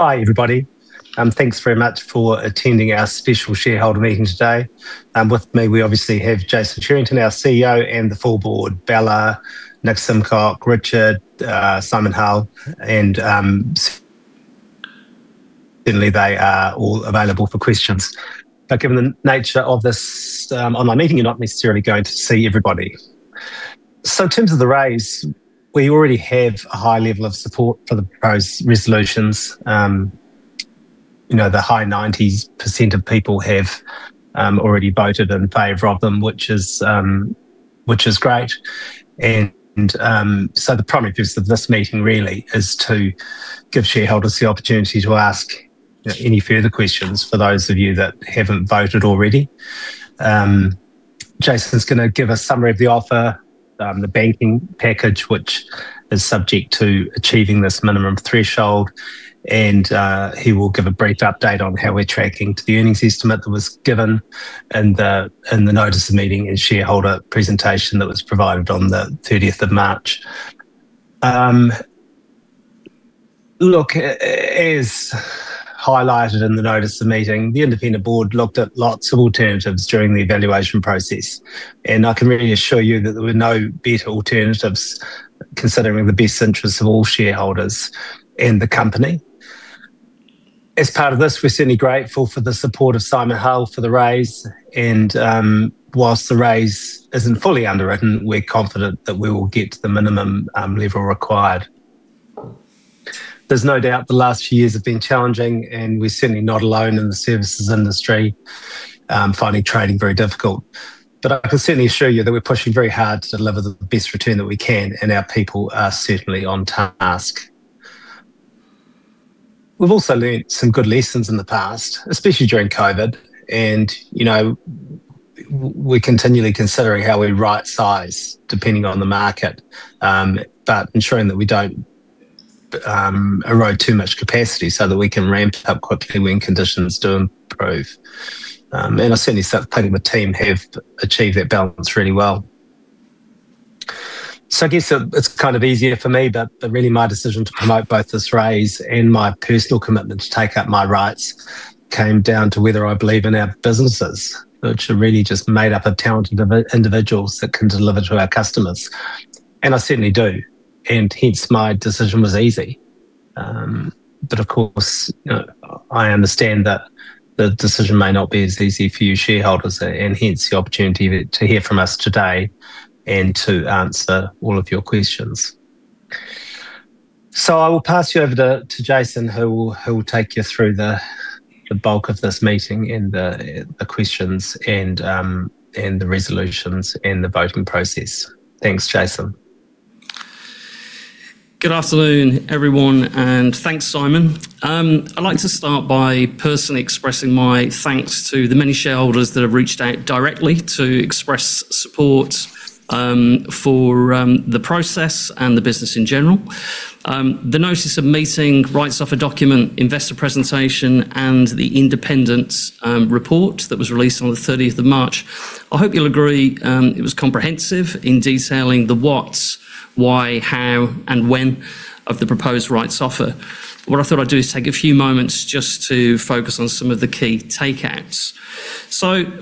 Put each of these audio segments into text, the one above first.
Hi, everybody. Thanks very much for attending our special shareholder meeting today. With me, we obviously have Jason Cherrington, our CEO, and the full board, Bella, Nick Simcock, Richard, Simon Hull, and certainly they are all available for questions. Given the nature of this online meeting, you're not necessarily going to see everybody. In terms of the raise, we already have a high level of support for the proposed resolutions. The high 90% of people have already voted in favor of them, which is great. The primary purpose of this meeting really is to give shareholders the opportunity to ask any further questions, for those of you that haven't voted already. Jason's going to give a summary of the offer, the banking package, which is subject to achieving this minimum threshold, and he will give a brief update on how we're tracking to the earnings estimate that was given in the notice of meeting and shareholder presentation that was provided on the 30th of March. Look, as highlighted in the notice of meeting, the independent board looked at lots of alternatives during the evaluation process, and I can really assure you that there were no better alternatives considering the best interests of all shareholders and the company. As part of this, we're certainly grateful for the support of Simon Hull for the raise, and while the raise isn't fully underwritten, we're confident that we will get to the minimum level required. There's no doubt the last few years have been challenging, and we're certainly not alone in the services industry finding trading very difficult. I can certainly assure you that we're pushing very hard to deliver the best return that we can, and our people are certainly on task. We've also learned some good lessons in the past, especially during COVID, and we're continually considering how we right size depending on the market, but ensuring that we don't erode too much capacity so that we can ramp up quickly when conditions do improve. I certainly think the team have achieved that balance really well. I guess it's kind of easier for me, but really my decision to promote both this raise and my personal commitment to take up my rights came down to whether I believe in our businesses, which are really just made up of talented individuals that can deliver to our customers. I certainly do, and hence my decision was easy. Of course, I understand that the decision may not be as easy for you shareholders, and hence the opportunity to hear from us today and to answer all of your questions. I will pass you over to Jason, who will take you through the bulk of this meeting and the questions and the resolutions and the voting process. Thanks, Jason. Good afternoon, everyone, and thanks, Simon. I'd like to start by personally expressing my thanks to the many shareholders that have reached out directly to express support for the process and the business in general. The notice of meeting, rights offer document, investor presentation, and the independent report that was released on the 30th of March. I hope you'll agree, it was comprehensive in detailing the what, why, how, and when of the proposed rights offer. What I thought I'd do is take a few moments just to focus on some of the key takeaways.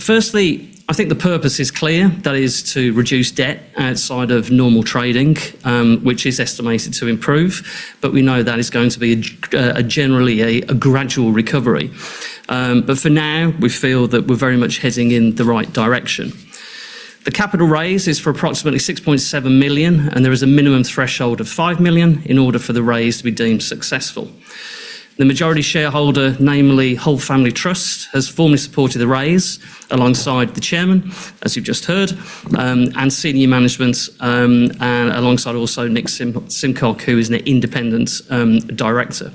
Firstly, I think the purpose is clear. That is to reduce debt outside of normal trading, which is estimated to improve, but we know that is going to be a generally gradual recovery. For now, we feel that we're very much heading in the right direction. The capital raise is for approximately 6.7 million, and there is a minimum threshold of 5 million in order for the raise to be deemed successful. The majority shareholder, namely Hull Family Trust, has formally supported the raise alongside the Chairman, as you've just heard, and senior management, and alongside also Nick Simcock, who is an Independent Director.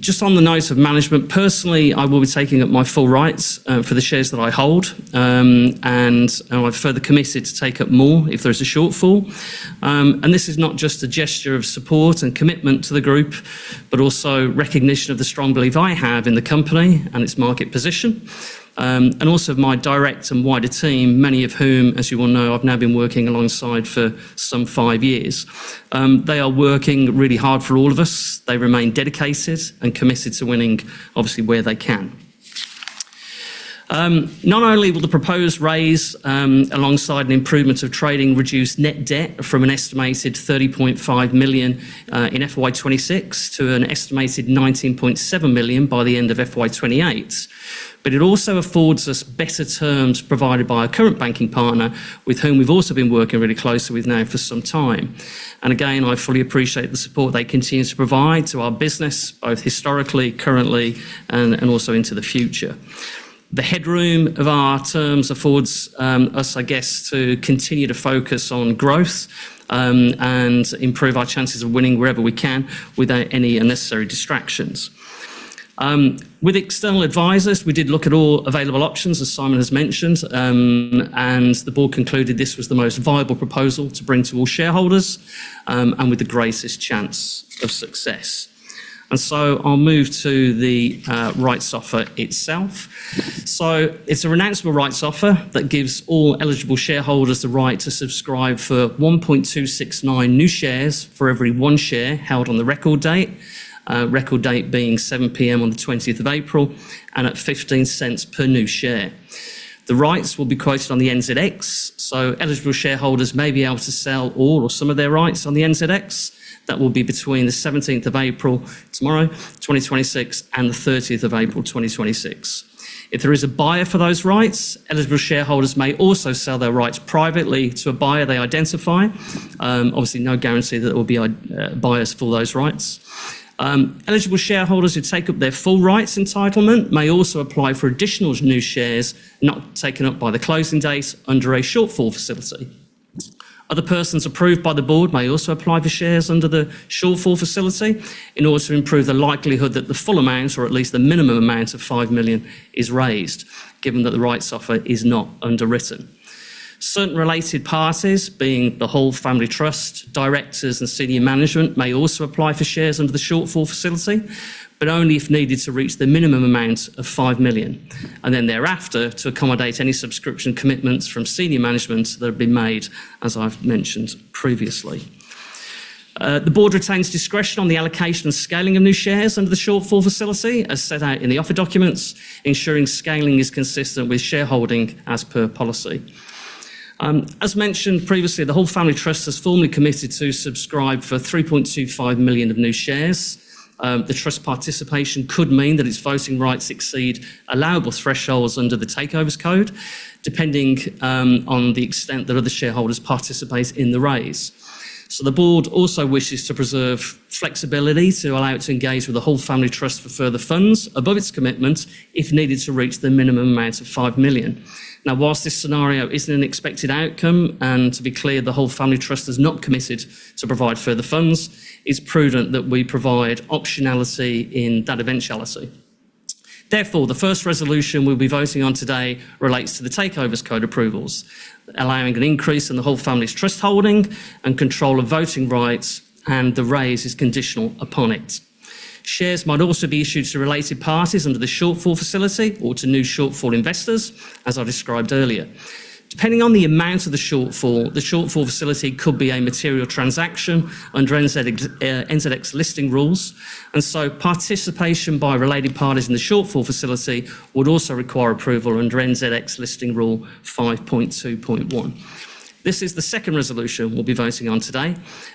Just on the note of management, personally, I will be taking up my full rights for the shares that I hold. I've further committed to take up more if there's a shortfall. This is not just a gesture of support and commitment to the group, but also recognition of the strong belief I have in the company and its market position. Also my direct and wider team, many of whom, as you all know, I've now been working alongside for some five years. They are working really hard for all of us. They remain dedicated and committed to winning, obviously, where they can. Not only will the proposed raise, alongside an improvement of trading, reduce net debt from an estimated 30.5 million in FY 2026 to an estimated 19.7 million by the end of FY 2028, but it also affords us better terms provided by our current banking partner, with whom we've also been working really closely with now for some time. Again, I fully appreciate the support they continue to provide to our business, both historically, currently, and also into the future. The headroom of our terms affords us, I guess, to continue to focus on growth, and improve our chances of winning wherever we can without any unnecessary distractions. With external advisors, we did look at all available options, as Simon has mentioned, and the Board concluded this was the most viable proposal to bring to all shareholders, and with the greatest chance of success. I'll move to the rights offer itself. It's a renounceable rights offer that gives all eligible shareholders the right to subscribe for 1.269 new shares for every 1 share held on the record date, record date being 7:00 P.M. on the 20th of April, and at 0.15 per new share. The rights will be quoted on the NZX, so eligible shareholders may be able to sell all or some of their rights on the NZX. That will be between the 17th of April, tomorrow, 2026, and the 30th of April 2026. If there is a buyer for those rights, eligible shareholders may also sell their rights privately to a buyer they identify. Obviously, no guarantee that there will be buyers for those rights. Eligible shareholders who take up their full rights entitlement may also apply for additional new shares not taken up by the closing date under a shortfall facility. Other persons approved by the Board may also apply for shares under the shortfall facility in order to improve the likelihood that the full amount, or at least the minimum amount of 5 million is raised, given that the rights offer is not underwritten. Certain related parties, being the Hull Family Trust, directors and senior management, may also apply for shares under the shortfall facility, but only if needed to reach the minimum amount of 5 million, and then thereafter to accommodate any subscription commitments from senior management that have been made, as I've mentioned previously. The Board retains discretion on the allocation and scaling of new shares under the shortfall facility, as set out in the offer documents, ensuring scaling is consistent with shareholding as per policy. As mentioned previously, the Hull Family Trust has formally committed to subscribe for 3.25 million new shares. The trust participation could mean that its voting rights exceed allowable thresholds under the Takeovers Code, depending on the extent that other shareholders participate in the raise. The Board also wishes to preserve flexibility to allow it to engage with the Hull Family Trust for further funds above its commitment, if needed, to reach the minimum amount of 5 million. Now, while this scenario isn't an expected outcome, and to be clear, the Hull Family Trust has not committed to provide further funds, it's prudent that we provide optionality in that eventuality. Therefore, the first resolution we'll be voting on today relates to the Takeovers Code approvals, allowing an increase in the Hull Family Trust's holding and control of voting rights, and the raise is conditional upon it. Shares might also be issued to related parties under the shortfall facility or to new shortfall investors, as I described earlier. Depending on the amount of the shortfall, the shortfall facility could be a material transaction under NZX Listing Rules, and so participation by related parties in the shortfall facility would also require approval under NZX Listing Rule 5.2.1. This is the second resolution we'll be voting on today.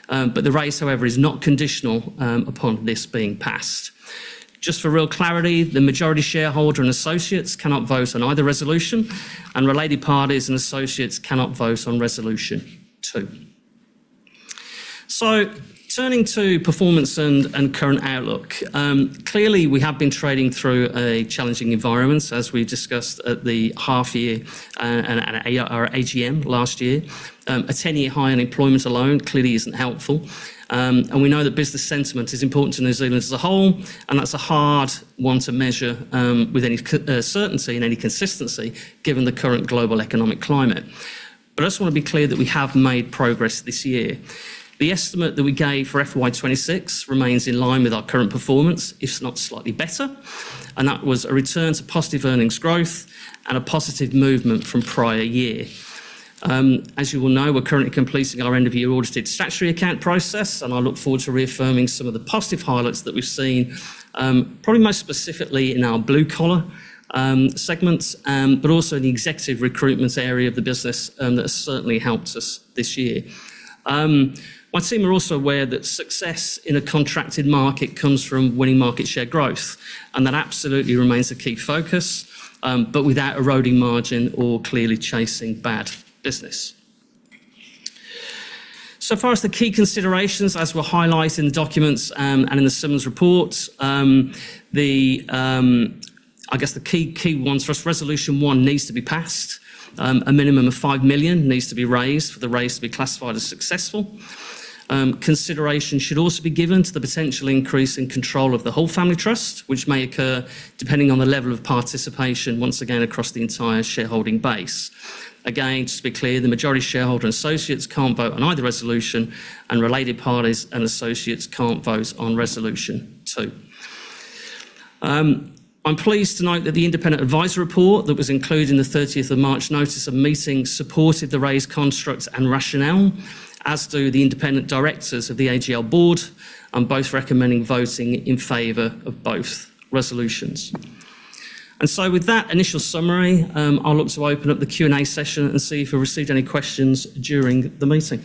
The raise, however, is not conditional upon this being passed. Just for real clarity, the majority shareholder and associates cannot vote on either resolution, and related parties and associates cannot vote on Resolution 2. Turning to performance and current outlook. Clearly, we have been trading through a challenging environment, as we discussed at the half year and at our AGM last year. A 10-year high in unemployment alone clearly isn't helpful. We know that business sentiment is important to New Zealand as a whole, and that's a hard one to measure with any certainty and any consistency given the current global economic climate. I just want to be clear that we have made progress this year. The estimate that we gave for FY 2026 remains in line with our current performance, if not slightly better, and that was a return to positive earnings growth and a positive movement from prior year. As you will know, we're currently completing our end-of-year audited statutory account process, and I look forward to reaffirming some of the positive highlights that we've seen, probably most specifically in our blue-collar segments, but also in the executive recruitment area of the business that has certainly helped us this year. My team are also aware that success in a contracted market comes from winning market share growth, and that absolutely remains a key focus, but without eroding margin or clearly chasing bad business. So far as the key considerations, as were highlighted in the documents and in the Simon report, I guess, the key ones for us, Resolution 1 needs to be passed. A minimum of 5 million needs to be raised for the raise to be classified as successful. Consideration should also be given to the potential increase in control of the Hull Family Trust, which may occur depending on the level of participation, once again, across the entire shareholding base. Again, just to be clear, the majority shareholder and associates can't vote on either resolution, and related parties and associates can't vote on Resolution 2. I'm pleased to note that the independent advisor report that was included in the 30th of March notice of meeting supported the raise constructs and rationale, as do the independent directors of the AGL board on both recommending voting in favor of both resolutions. With that initial summary, I'll look to open up the Q&A session and see if we received any questions during the meeting.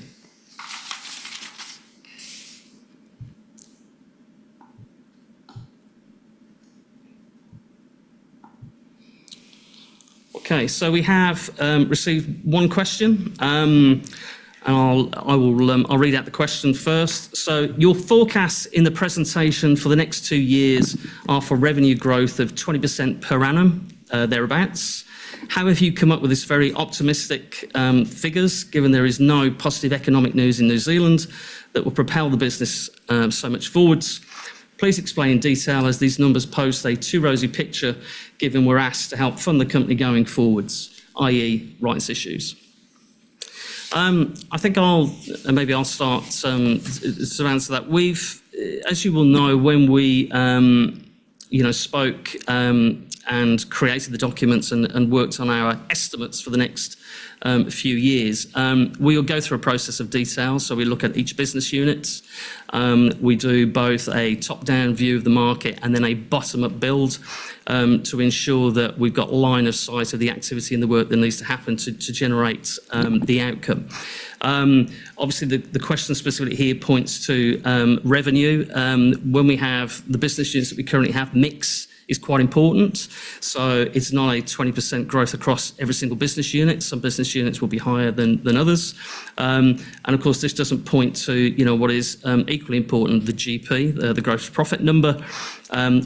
Okay, we have received one question. I'll read out the question first. Your forecast in the presentation for the next two years are for revenue growth of 20% per annum, thereabouts. How have you come up with this very optimistic figures given there is no positive economic news in New Zealand that will propel the business so much forwards? Please explain in detail as these numbers pose too rosy a picture given we're asked to help fund the company going forward, i.e., rights issues. I think maybe I'll start to answer that. As you will know, when we spoke, and created the documents, and worked on our estimates for the next few years, we'll go through a process in detail. We look at each business unit. We do both a top-down view of the market and then a bottom-up build to ensure that we've got line of sight of the activity and the work that needs to happen to generate the outcome. Obviously, the question specifically here points to revenue. When we have the business units that we currently have, mix is quite important. It's not a 20% growth across every single business unit. Some business units will be higher than others. Of course, this doesn't point to what is equally important, the GP, the gross profit number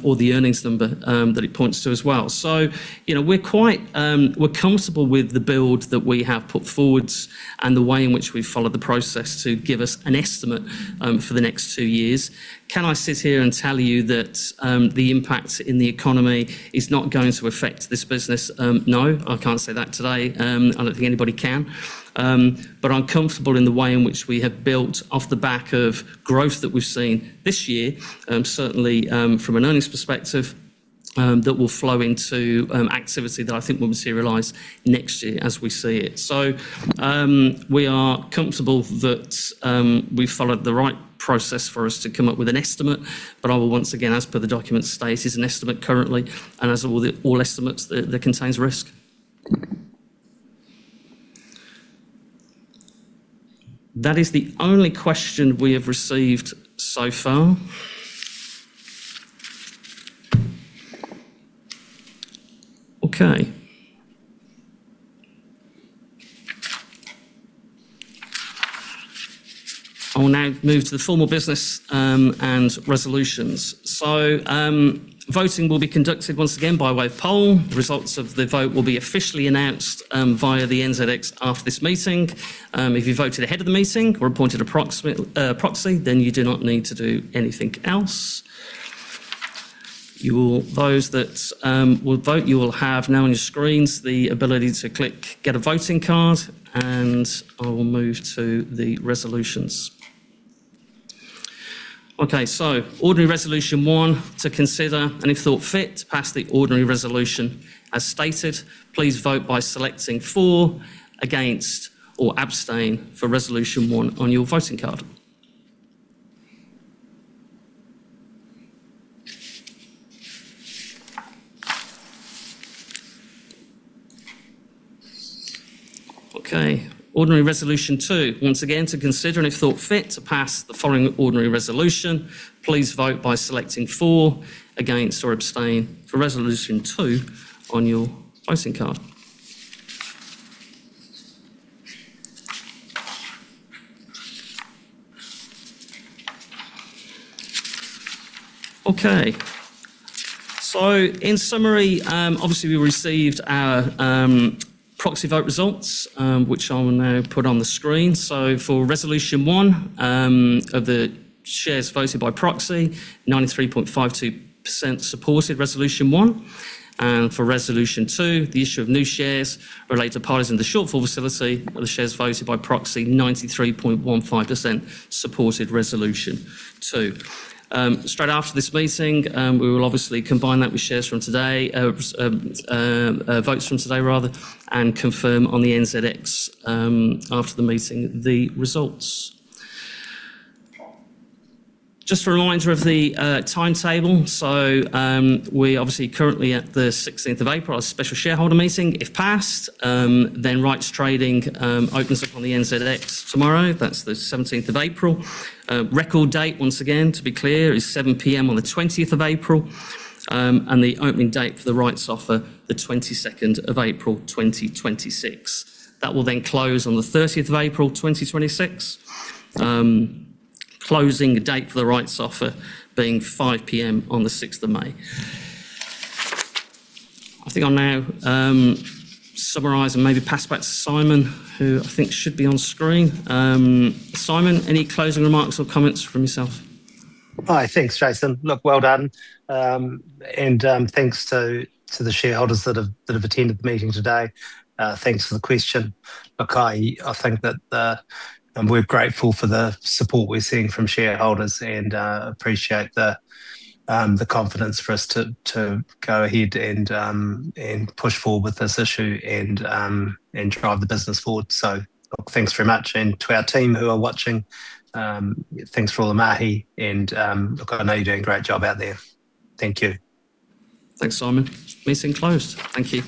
or the earnings number that it points to as well. We're comfortable with the build that we have put forward and the way in which we've followed the process to give us an estimate for the next two years. Can I sit here and tell you that the impact in the economy is not going to affect this business? No, I can't say that today. I don't think anybody can. I'm comfortable in the way in which we have built off the back of growth that we've seen this year, certainly from an earnings perspective, that will flow into activity that I think will materialize next year as we see it. We are comfortable that we followed the right process for us to come up with an estimate, but I will once again, as per the document states, is an estimate currently, and as with all estimates, that contains risk. That is the only question we have received so far. Okay. I will now move to the formal business and resolutions. Voting will be conducted once again by way of poll. Results of the vote will be officially announced via the NZX after this meeting. If you voted ahead of the meeting or appointed a proxy, then you do not need to do anything else. Those that will vote, you will have now on your screens the ability to click Get a Voting Card, and I will move to the resolutions. Okay. Ordinary Resolution 1, to consider, and if thought fit, pass the ordinary resolution as stated. Please vote by selecting For, Against, or Abstain, for Resolution 1 on your voting card. Okay. Ordinary Resolution 2, once again, to consider, and if thought fit, to pass the following ordinary resolution. Please vote by selecting For, Against, or Abstain for Resolution 2 on your voting card. Okay. In summary, obviously we received our proxy vote results, which I will now put on the screen. For Resolution 1, of the shares voted by proxy, 93.52% supported Resolution 1. For Resolution 2, the issue of new shares related to parties in the shortfall facility of the shares voted by proxy, 93.15% supported Resolution 2. Straight after this meeting, we will obviously combine that with shares from today, votes from today rather, and confirm on the NZX after the meeting the results. Just a reminder of the timetable. We're obviously currently at the 16th of April, our special shareholder meeting. If passed, then rights trading opens up on the NZX tomorrow, that's the 17th of April. Record date, once again, to be clear, is 7:00 P.M. on the 20th of April. The opening date for the rights offer, the 22nd of April 2026. That will then close on the 30th of April 2026. Closing date for the rights offer being 5:00 P.M. on the 6th of May. I think I'll now summarize and maybe pass back to Simon, who I think should be on screen. Simon, any closing remarks or comments from yourself? Hi. Thanks, Jason. Look, well done. Thanks to the shareholders that have attended the meeting today. Thanks for the question. Look, I think that we're grateful for the support we're seeing from shareholders and appreciate the confidence for us to go ahead and push forward with this issue and drive the business forward. Look, thanks very much. To our team who are watching, thanks for all the mahi and look, I know you're doing a great job out there. Thank you. Thanks, Simon. Meeting closed. Thank you.